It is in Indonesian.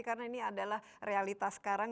karena ini adalah realitas sekarang